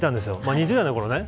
２０代のころ。